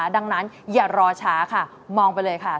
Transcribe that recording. ดังนั้นอย่ารอช้าค่ะมองไปเลยค่ะ